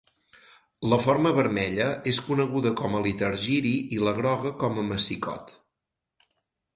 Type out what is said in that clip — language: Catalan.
La forma vermella és coneguda com a litargiri i la groga com a massicot.